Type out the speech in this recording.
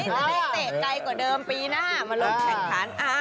เตะไก่กว่าเดิมปีหน้ามาลงแข่งทาง